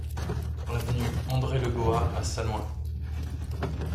Avenue André Le Goas à Sannois